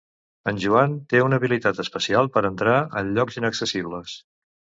En Joan té una habilitat especial per entrar en llocs inaccessibles.